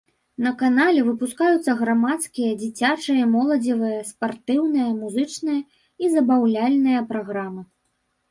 На канале выпускаюцца грамадскія, дзіцячыя і моладзевыя, спартыўныя, музычныя і забаўляльныя праграмы.